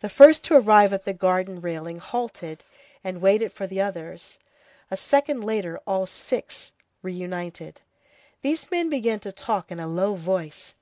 The first to arrive at the garden railing halted, and waited for the others; a second later, all six were reunited. These men began to talk in a low voice.